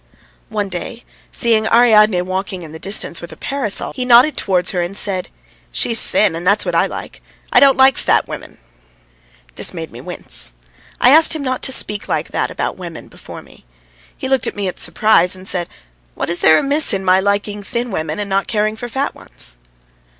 One day, seeing Ariadne walking in the distance with a parasol, he nodded towards her and said: "She's thin, and that's what I like; I don't like fat women." This made me wince. I asked him not to speak like that about women before me. He looked at me in surprise and said: "What is there amiss in my liking thin women and not caring for fat ones?"